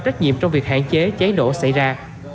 trách nhiệm trong việc hạn chế cháy nổ xảy ra